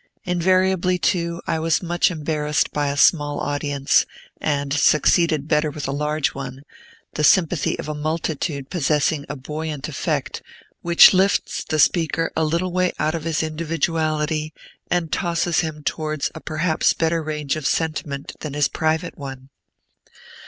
Invariably, too, I was much embarrassed by a small audience, and succeeded better with a large one, the sympathy of a multitude possessing a buoyant effect, which lifts the speaker a little way out of his individuality and tosses him towards a perhaps better range of sentiment than his private one.